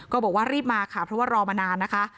ก็บอกว่ารีบมาค่ะเพราะว่ารอมานานนะคะ